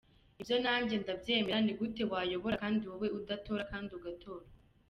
ibyo nanjye ndabyemera nigute wayobora kandi wowe udatora kandi ugatorwa.